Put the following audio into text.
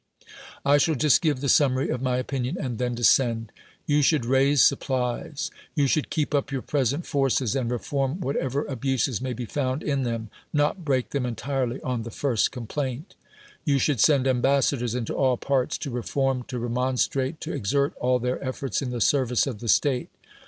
I shall just give the summary of my opinion, and then descend. You should raise supplies ; you should keep up your present forces, and re form whatever abuses may be found in them (not break them entirely on the first complaint) . You should send ambassadors into all parts, to re form, to remonstrate, to exert all their efforts in the service of the state.